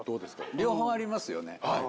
両方ありますよね。